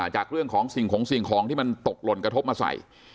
จากเรื่องของสิ่งของสิ่งของที่มันตกหล่นกระทบมาใส่